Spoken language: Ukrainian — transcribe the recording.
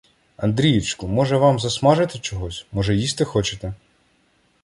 Андрієчку, може, вам засмажити чогось, може, їсти хочете?